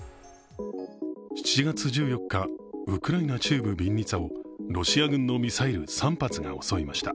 ７月１４日、ウクライナ中部ビンニツァをロシア軍のミサイル３発が襲いました。